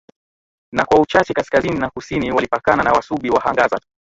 Na kwa uchache kaskazini na kusini walipakana na wasubi wahangaza